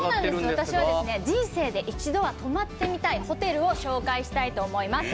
私は人生で一度は泊まってみたいホテルを紹介したいと思います。